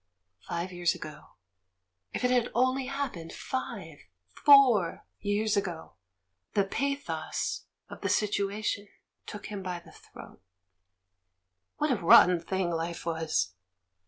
Five years ago. If it had only happened five — four years ago! The pathos of the situation took him by the throat. What a rotten thing life was!